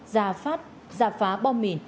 giả phá bom mìn